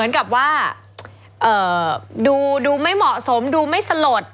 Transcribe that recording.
เหมือนกับว่าดูไม่เหมาะสมดูไม่สลด